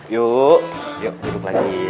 yuk yuk duduk lagi